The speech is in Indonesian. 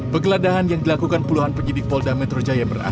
pegeledahan yang dilakukan puluhan penjidik polda metro jaya berantakan